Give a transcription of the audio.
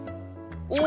お！